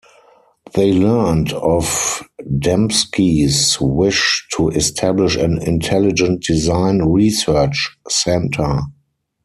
They learned of Dembski's wish to establish an intelligent design research center.